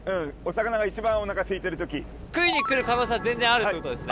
食いに来る可能性は全然あるってことですね。